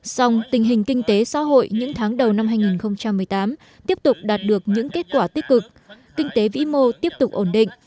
song tình hình kinh tế xã hội những tháng đầu năm hai nghìn một mươi tám tiếp tục đạt được những kết quả tích cực kinh tế vĩ mô tiếp tục ổn định